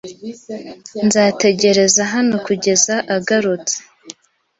Nzategereza hano kugeza agarutse.